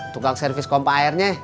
tukang servis kompa airnya